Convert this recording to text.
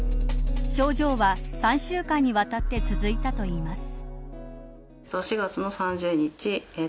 症状は、３週間にわたって続いたといいます。